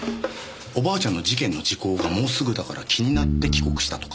おばあちゃんの事件の時効がもうすぐだから気になって帰国したとか。